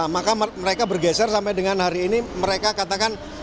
maka mereka bergeser sampai dengan hari ini mereka katakan